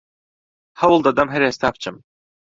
هەوڵ دەدەم هەر ئێستا بچم